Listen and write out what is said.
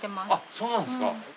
そうなんですか。